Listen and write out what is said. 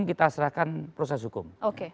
kita serahkan proses hukum